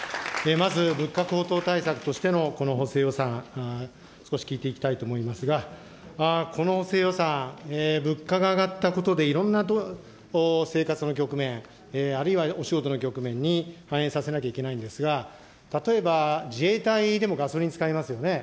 まず物価高騰対策としてのこの補正予算、少し聞いていきたいと思いますが、この補正予算、物価が上がったことで、いろんな生活の局面、あるいはお仕事の局面に反映させなきゃいけないんですが、例えば、自衛隊でもガソリン遣いますよね。